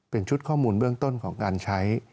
เป็นชุดข้อมูลเบื้องต้นของการใช้